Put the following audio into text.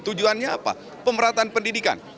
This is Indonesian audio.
tujuannya apa pemerataan pendidikan